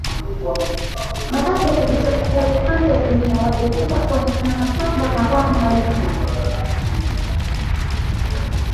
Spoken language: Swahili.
Baada ya Vita Kuu ya Kwanza ya dunia walitaka kuonekana kama mabwana wema